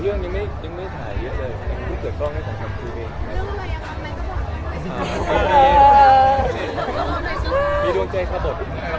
อ๋อแล้วตรงนี้เนี่ยครับมันต้องเจ็บใหญ่อยู่ต้องเจ็บใหญ่อยู่ครับ